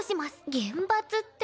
厳罰って。